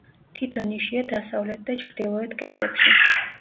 თითო ნიშია დასავლეთ და ჩრდილოეთ კედლებში.